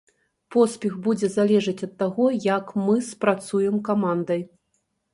Поспех будзе залежыць ад таго, як мы спрацуем камандай.